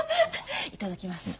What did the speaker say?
いただきます。